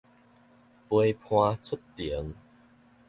陪伴出庭